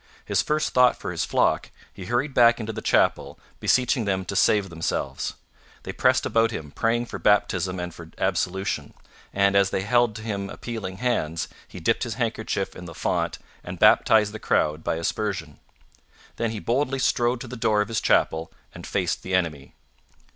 His first thought for his flock, he hurried back into the chapel, beseeching them to save themselves. They pressed about him, praying for baptism and for absolution; and, as they held to him appealing hands, he dipped his handkerchief in the font and baptized the crowd by aspersion. Then he boldly strode to the door of his chapel and faced the enemy.